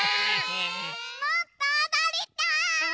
もっとおどりたい！